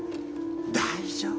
大丈夫。